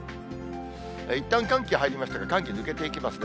いったん寒気入りましたが、寒気抜けていきますね。